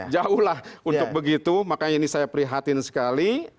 jauh lah untuk begitu makanya ini saya prihatin sekali